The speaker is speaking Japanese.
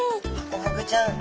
ハコフグちゃん